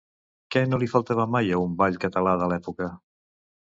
Què no hi faltava mai a un ball català de l'època?